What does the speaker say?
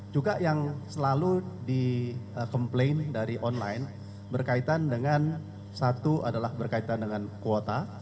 juga yang selalu dikomplain dari online berkaitan dengan satu adalah berkaitan dengan kuota